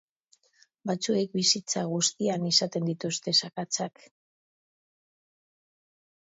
Batzuek bizitza guztian izaten dituzte zakatzak.